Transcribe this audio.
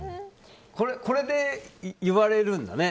これで言われるんだね。